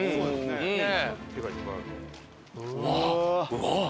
うわっ！